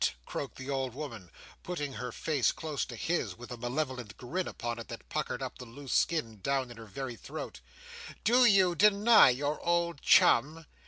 croaked the old woman, putting her face close to his, with a malevolent grin upon it that puckered up the loose skin down in her very throat. "Do you deny your old chum!